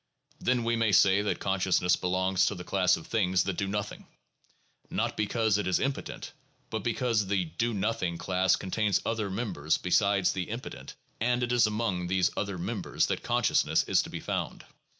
' Then we may say that consciousness belongs to the class of things that do nothing, not because it is impotent, but because the ' do nothing ' class contains other members besides the ' im potent ' and it is among these other members that conscious ness is to be found.